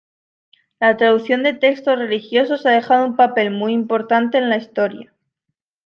La traducción de textos religiosos ha jugado un papel muy importante en la historia.